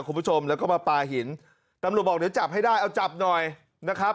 คุณผู้ชมแล้วก็มาปลาหินตำรวจบให้ได้เอาจับหน่อยนะครับ